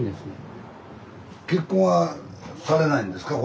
結婚はされないんですか？